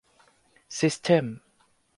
ซิสเท็มส์